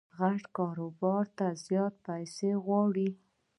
غټ کاروبار زیاتي پیسې غواړي.